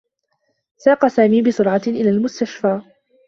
ساق سامي بسرعة إلى المستشفى.